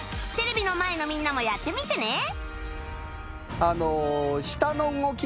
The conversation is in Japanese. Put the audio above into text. テレビの前のみんなもやってみてね